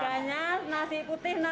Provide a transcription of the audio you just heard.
harganya nasi putih enam juta